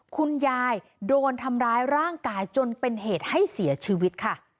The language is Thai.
คุณยายโดนทำร้ายร่างกายจนเป็นเหตุให้เสียชีวิตค่ะ